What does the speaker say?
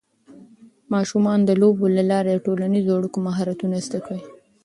ماشومان د لوبو له لارې د ټولنیزو اړیکو مهارتونه زده کوي.